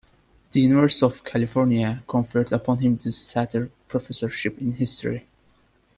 The University of California conferred upon him the Sather Professorship in History.